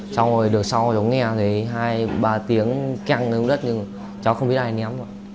xong rồi được sau cháu nghe thấy hai ba tiếng keng lên đất nhưng cháu không biết ai ném ạ